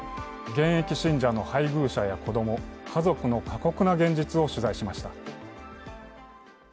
現役信者の配偶者や子供、家族の過酷な現実を取材しました。